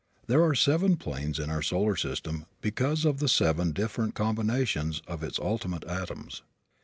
There are seven planes in our solar system because of the seven different combinations of its ultimate atoms.